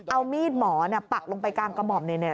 เอามีดหมอปักลงไปกลางกระหม่อมเนี่ย